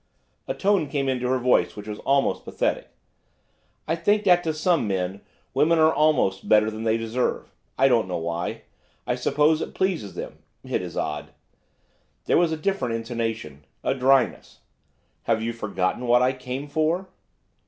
A tone came into her voice which was almost pathetic. 'I think that to some men women are almost better than they deserve. I don't know why. I suppose it pleases them. It is odd.' There was a different intonation, a dryness. 'Have you forgotten what I came for?